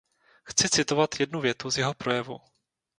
Chci citovat jednu větu z jeho projevu.